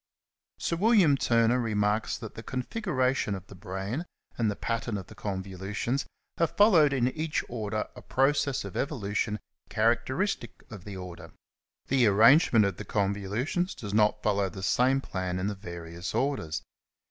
Sir William Turner ^ remarks that *^ the configuration of the brain and the pattern of the convolutions have followed in each order a process of evolution characteristic of the order, the arrangement of the convolutions does not follow the same plan in the various orders.